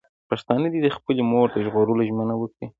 پښتانه دې د خپلې مور د ژغورلو ژمنه وکړي.